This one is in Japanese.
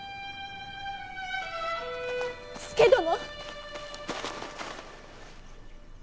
佐殿！